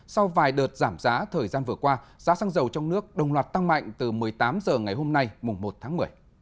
sau vài đợt giảm giá thời gian vừa qua giá xăng dầu trong nước đồng loạt tăng mạnh từ một mươi tám h ngày hôm nay mùng một tháng một mươi